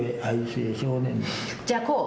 じゃあこう？